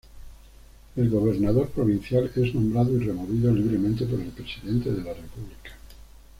El gobernador provincial es nombrado y removido libremente por el presidente de la República.